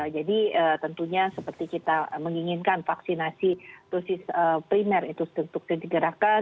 jadi tentunya seperti kita menginginkan vaksinasi dosis primer itu tentu tergerakkan